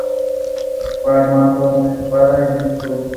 Va armado con una espada y un escudo.